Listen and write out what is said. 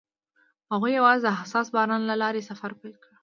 هغوی یوځای د حساس باران له لارې سفر پیل کړ.